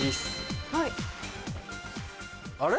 あれ？